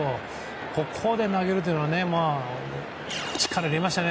ここで投げるっていうのは力入れましたね。